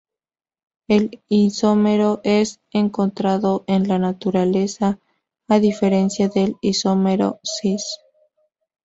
El isómero es encontrado en la naturaleza, a diferencia del isómero cis.